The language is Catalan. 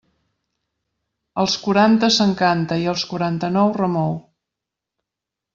Als quaranta s'encanta, i als quaranta-nou remou.